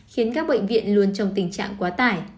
khiến các bệnh viện luôn trong tình trạng quá tải